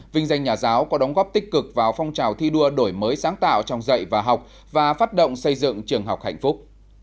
vinh danh nhà giáo có đóng góp tích cực vào phong trào thi đua đổi mới sáng tạo trong dạy và học và phát động xây dựng trường học hạnh phúc